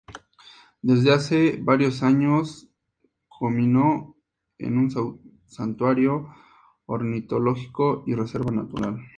Desde hace varios años, Comino es un santuario ornitológico y reserva natural.